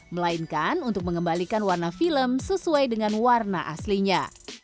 melainkan untuk mengembalikan warna film sesuai dengan warna aslinya